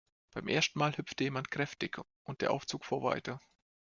Beim ersten Mal hüpfte jemand kräftig, und der Aufzug fuhr weiter.